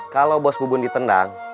kalau bos bubun ditendang